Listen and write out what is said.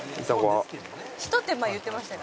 「ひと手間言ってましたから」